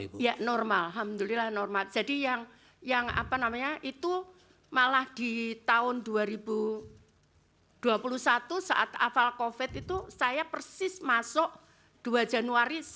iya normal alhamdulillah normal jadi yang yang apa namanya itu malah di tahun dua ribu dua puluh satu saat afal covid itu saya persis masuk dua ribu dua puluh satu saat afal covid itu saya persis masuk